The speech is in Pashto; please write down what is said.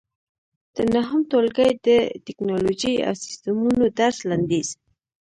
د نهم ټولګي د ټېکنالوجۍ او سیسټمونو درس لنډیز